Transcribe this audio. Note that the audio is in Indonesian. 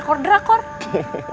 dan terakhir ku